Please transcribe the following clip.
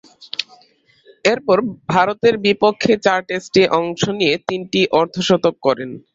এরপর ভারতের বিপক্ষে চার টেস্টে অংশ নিয়ে তিনটি অর্ধ-শতক করেন।